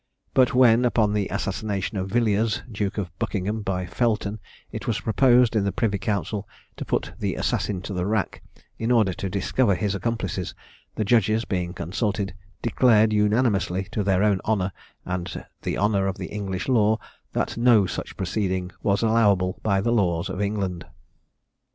But when, upon the assassination of Villiers, Duke of Buckingham, by Felton, it was proposed in the Privy Council to put the assassin to the rack, in order to discover his accomplices, the judges, being consulted, declared unanimously, to their own honour, and the honour of the English law, that no such proceeding was allowable by the laws of England.